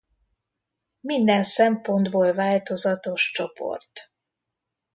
Minden szempontból változatos csoport.